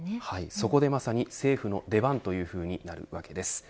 そこでまさに政府の出番というわけです。